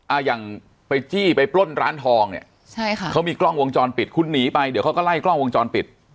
อ่าอย่างไปจี้ไปปล้นร้านทองเนี่ยใช่ค่ะเขามีกล้องวงจรปิดคุณหนีไปเดี๋ยวเขาก็ไล่กล้องวงจรปิด